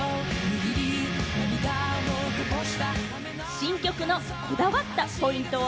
新曲のこだわったポイントは？